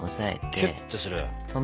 キュッとする。